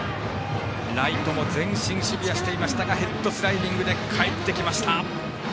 ライトも前進守備はしていましたがヘッドスライディングでかえってきました。